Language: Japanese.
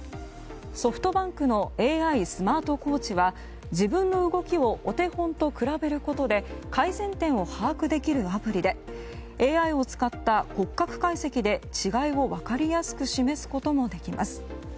ソフトバンクのＡＩスマートコーチは自分の動きをお手本と比べることで改善点を把握できるアプリでＡＩを使った骨格解析で違いを分かりやすく示すこともできます。